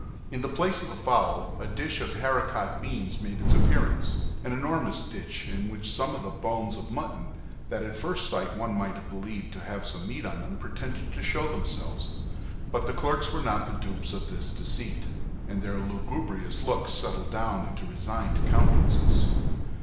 In the place of the fowl a dish of haricot beans made its appearance—an enormous dish in which some bones of mutton that at first sight one might have believed to have some meat on them pretended to show themselves. But the clerks were not the dupes of this deceit, and their lugubrious looks settled down into resigned countenances.